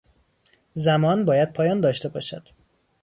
زمان... باید پایان داشته باشد.